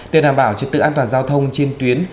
để đảm bảo trật tự an toàn giao thông trên tuyến